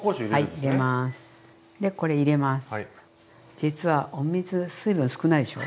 実はお水水分少ないでしょ？